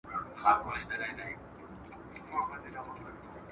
هغه ورځ هم لیري نه ده چي به کیږي حسابونه ..